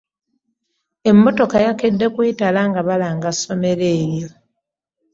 Emmotoka yakedde kwetala nga balanga ssomero eryo.